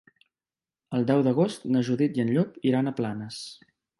El deu d'agost na Judit i en Llop iran a Planes.